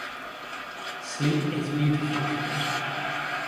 Sleep is beautiful for me.